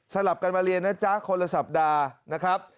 ลับกันมาเรียนนะจ๊ะคนละสัปดาห์นะครับ